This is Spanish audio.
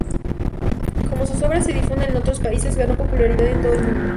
Como sus obras se difunden en otros países, ganó popularidad en todo el mundo.